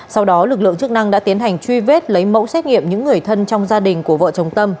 sau đó lực lượng chức năng đã tiến hành truy vết lấy mẫu xét nghiệm những người thân trong gia đình của vợ chồng tâm